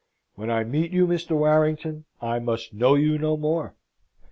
When I meet you, Mr. Warrington, I must know you no more.